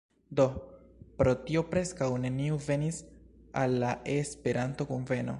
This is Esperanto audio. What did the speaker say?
Do, pro tio preskaŭ neniu venis al la Esperanto-kunveno